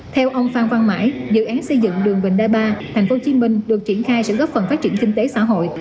theo ông phan văn mãi dự án xây dựng đường vành đai ba tp hcm được triển khai sẽ góp phần phát triển kinh tế xã hội